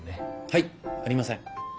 はいありません。